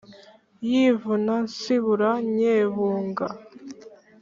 yivuna ntsibura nyebunga